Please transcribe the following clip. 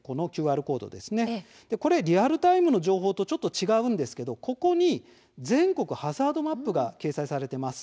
リアルタイムの情報とちょっと違うのですがここに「全国ハザードマップ」が掲載されています。